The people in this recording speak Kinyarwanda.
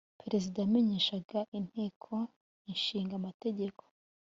perezida yamenyeshaga inteko ishinga amategeko